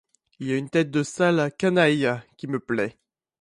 Il a une tête de sale canaille qui me plaît.